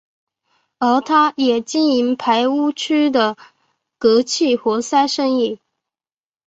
而他也经营排污渠的隔气活塞生意。